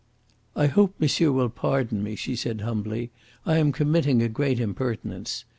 "I hope monsieur will pardon me," she said humbly. "I am committing a great impertinence.